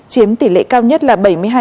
chiếm tỷ lệ cao nhất là bảy mươi hai